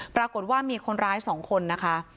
ปรากฏว่ามีคนร้าย๒คนนะคะ